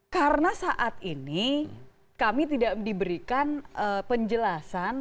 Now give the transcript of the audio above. karena saat ini kami tidak diberikan penjelasan